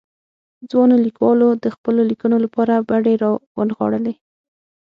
ځوانو ليکوالو د خپلو ليکنو لپاره بډې را ونغاړلې.